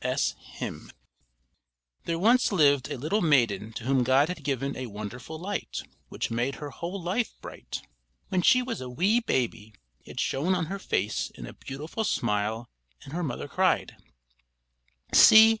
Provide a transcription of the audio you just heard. S.S. Hymn_. There once lived a little maiden to whom God had given a wonderful light, which made her whole life bright. When she was a wee baby it shone on her face in a beautiful smile, and her mother cried: "See!